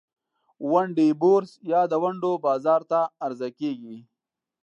ونډې بورس یا د ونډو بازار ته عرضه کیږي.